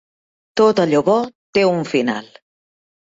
Tot allò bo té un final.